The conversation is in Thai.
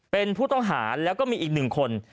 เป็นผู้ต้องหาแล้วก็มีอีกหนึ่งคน